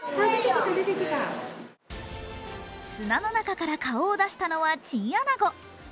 砂の中から顔を出したのはチンアナゴ。